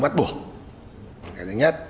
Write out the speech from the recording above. bắt buộc cái thứ nhất